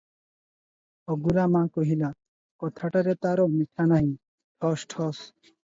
"ହଗୁରା ମା କହିଲା, କଥାଟାରେ ତାର ମିଠା ନାହିଁ, ଠୋସ୍ ଠୋସ୍ ।"